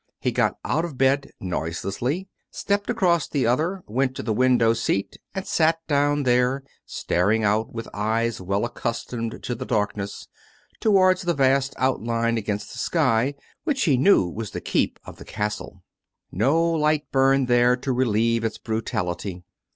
He got out of bed noiselessly, stepped across tlie other, went to the window seat and sat down there, staring out, with eyes well accustomed to the darkness, towards the vast outline against the sky which he knew was the keep of the castle. No light burned there to relieve its brutality.